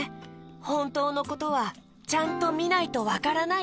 ほんとうのことはちゃんとみないとわからないよね。